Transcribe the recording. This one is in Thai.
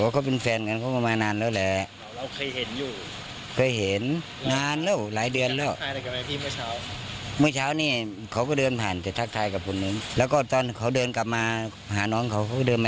ก็เดินขึ้นไปได้ยินเสียงปืนแค่นั้นแหละ